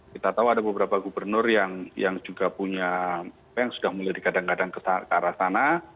kita tahu ada beberapa gubernur yang juga punya apa yang sudah mulai dikadang kadang ke arah sana